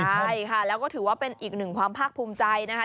ใช่ค่ะแล้วก็ถือว่าเป็นอีกหนึ่งความภาคภูมิใจนะคะ